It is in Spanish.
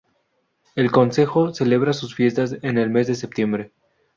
El concejo celebra sus fiestas en el mes de septiembre.